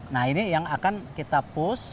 nah ini yang akan kita push